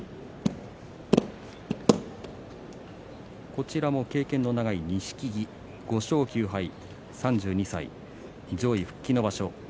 こちらも経験の長い錦木５勝９敗、３２歳上位復帰の場所。